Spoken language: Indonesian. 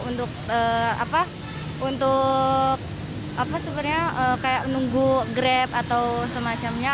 untuk menunggu grab atau semacamnya